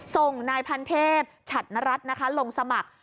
ทรงนายพันเทพฉัตนรัฐลงสมัคร